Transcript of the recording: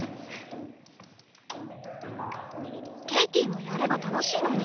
ケイティもやれば楽しいのに。